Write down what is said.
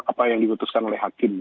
apa yang diputuskan oleh hakim